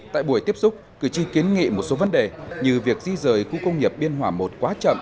tại buổi tiếp xúc cử tri kiến nghị một số vấn đề như việc di rời khu công nghiệp biên hòa i quá chậm